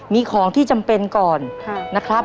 มีของที่จำเป็นก่อนนะครับ